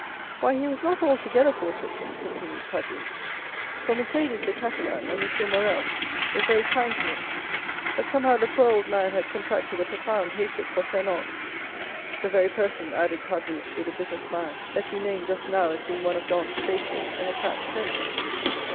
"Why, he was not altogether forsaken," continued Caderousse, "for Mercédès the Catalan and Monsieur Morrel were very kind to him; but somehow the poor old man had contracted a profound hatred for Fernand—the very person," added Caderousse with a bitter smile, "that you named just now as being one of Dantès' faithful and attached friends."